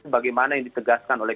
bagaimana yang ditegaskan oleh